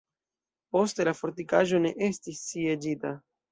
Poste la fortikaĵo ne estis sieĝita.